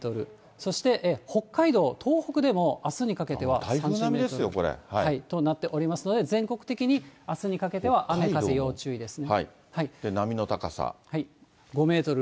そして北海道、東北でもあすにかけては３０メートル。となっておりますので、全国的にあすにかけては雨風要注意ですね。